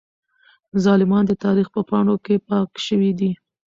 ظالمان د تاريخ په پاڼو کې پاک شوي دي.